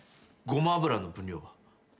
ごま油の分量は？